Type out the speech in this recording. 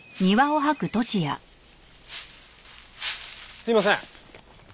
すいません！